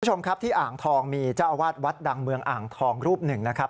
คุณผู้ชมครับที่อ่างทองมีเจ้าอาวาสวัดดังเมืองอ่างทองรูปหนึ่งนะครับ